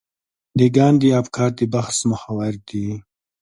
د ګاندي افکار د بحث محور دي.